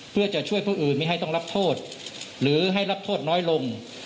เพื่อจะช่วยผู้อื่นไม่ให้ต้องรับโทษหรือให้รับโทษน้อยลง